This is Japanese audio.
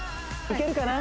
いけるかな？